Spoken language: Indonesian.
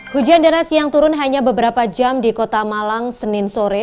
hujan deras yang turun hanya beberapa jam di kota malang senin sore